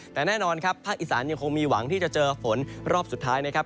แต่แน่นอนครับภาคอีสานยังคงมีหวังที่จะเจอฝนรอบสุดท้ายนะครับ